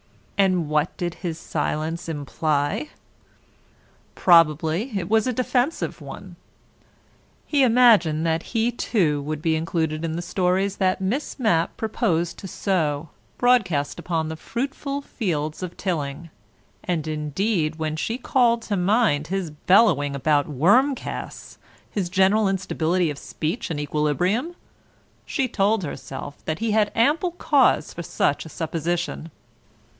... And what did his silence imply? Probably it was a defensive one; he imagined that he, too, would be included in the stories that Miss Mapp proposed to sow broadcast upon the fruitful fields of Tilling, and, indeed, when she called to mind his bellowing about worm casts, his general instability of speech and equilibrium, she told herself that he had ample cause for such a supposition.